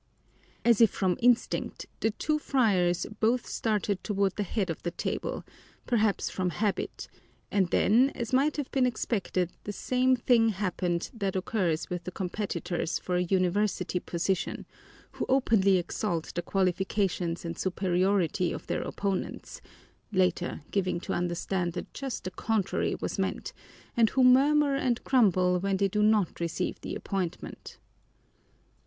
As if from instinct the two friars both started toward the head of the table, perhaps from habit, and then, as might have been expected, the same thing happened that occurs with the competitors for a university position, who openly exalt the qualifications and superiority of their opponents, later giving to understand that just the contrary was meant, and who murmur and grumble when they do not receive the appointment.